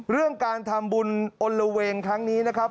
เรื่องการทำบุญอลละเวงครั้งนี้นะครับ